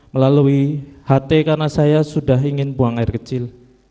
melalui ht karena saya sudah ingin buang air kecil